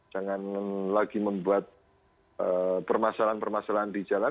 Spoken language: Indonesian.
jangan lagi membuat permasalahan permasalahan di jalan